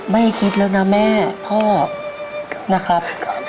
ไม่คิดแล้วนะแม่พ่อนะครับ